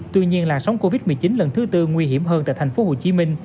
tuy nhiên làn sóng covid một mươi chín lần thứ tư nguy hiểm hơn tại tp hcm